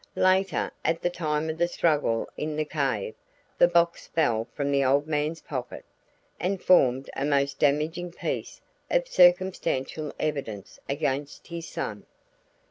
Later, at the time of the struggle in the cave, the box fell from the old man's pocket, and formed a most damaging piece of circumstantial evidence against his son.